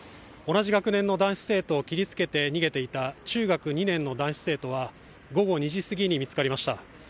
同じ学年の男子生徒を切りつけて逃げていた中学２年の男子生徒は午後２時すぎに見つかりました。